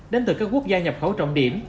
đến từ các quốc gia nhập khẩu trọng điểm